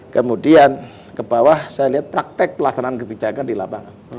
kemudian kebawah saya lihat praktek pelaksanaan kebijakan di lapangan